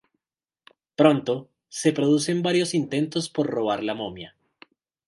Pronto, se producen varios intentos por robar la momia.